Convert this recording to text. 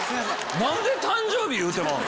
何で誕生日言うてまう？